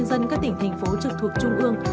các tỉnh thành phố trực thuộc trung ương